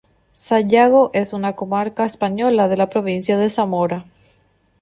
Sayago es una comarca española de la provincia de Zamora.